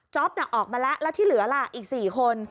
ออกมาแล้วแล้วที่เหลือล่ะอีก๔คน